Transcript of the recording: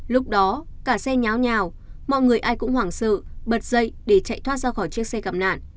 lúc đó cả xe nháo nhào mọi người ai cũng hoảng sợ bật dậy để chạy thoát ra khỏi chiếc xe gặp nạn